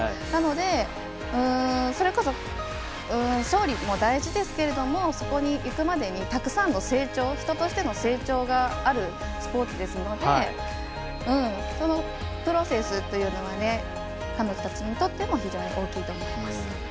なので、それこそ勝利も大事ですけどもそこに行くまでにたくさんの成長人としての成長があるスポーツですのでそのプロセスというのは彼女たちにとっても非常に大きいと思います。